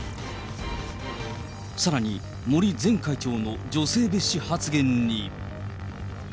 さらに、森前会長の女性蔑視発言に。